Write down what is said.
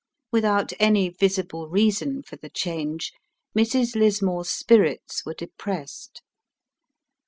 Without any visible reason for the change, Mrs. Lismore's spirits were depressed.